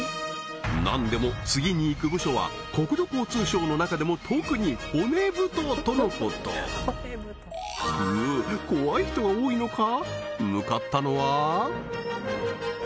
なんでも次に行く部署は国土交通省の中でも特に骨太とのこと向かったのは？